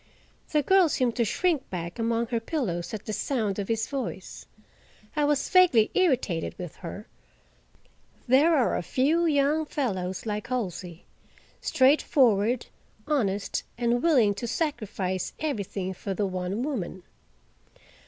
The girl seemed to shrink back among her pillows at the sound of his voice. I was vaguely irritated with her; there are few young fellows like Halsey—straightforward, honest, and willing to sacrifice everything for the one woman.